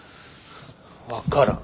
分からん。